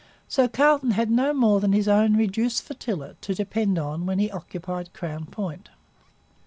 So Carleton had no more than his own reduced flotilla to depend on when he occupied Crown Point.